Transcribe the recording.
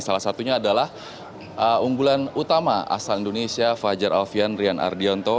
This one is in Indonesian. salah satunya adalah unggulan utama asal indonesia fajar alfian rian ardianto